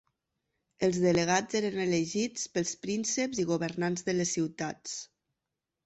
Els delegats eren elegits pels prínceps i governants de les ciutats.